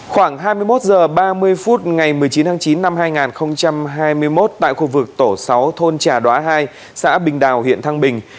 khoảng hai mươi một h ba mươi phút ngày một mươi chín tháng chín năm hai nghìn hai mươi một tại khu vực tổ sáu thôn trà đoá hai xã bình đào huyện thăng bình